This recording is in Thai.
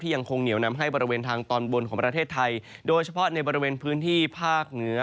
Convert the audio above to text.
ยังคงเหนียวนำให้บริเวณทางตอนบนของประเทศไทยโดยเฉพาะในบริเวณพื้นที่ภาคเหนือ